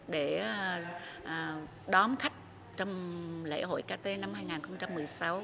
để đón khách trong lễ hội kt năm hai nghìn một mươi sáu